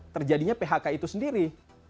terjadinya phk itu sendiri